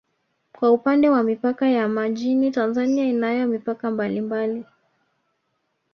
Kwa upande wa mipaka ya majini Tanzania inayo mipaka mbalimbali